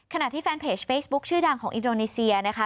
ขณะที่แฟนเพจเฟซบุ๊คชื่อดังของอินโดนีเซียนะคะ